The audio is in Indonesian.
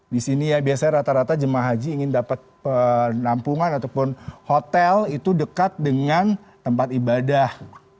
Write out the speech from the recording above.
di sini ya biasanya rata rata jemaah haji ingin dapat penampungan ataupun hotel itu dekat dengan tempat ibadah